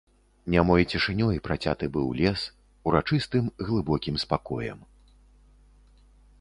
Нямой цішынёй працяты быў лес, урачыстым глыбокім спакоем.